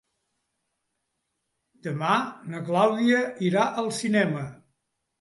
Demà na Clàudia irà al cinema.